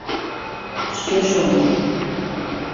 Шке шоно.